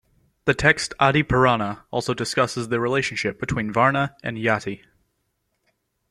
The text Adi purana also discusses the relationship between varna and jati.